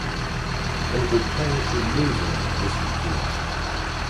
Europäische Lösungen müssen her.